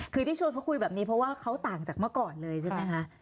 คือที่ชวนเขาคุยแบบนี้เพราะว่าเขาต่างจากเมื่อก่อนเลยใช่ไหมคะ